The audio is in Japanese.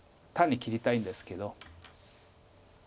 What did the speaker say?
単に切りたいんですけど。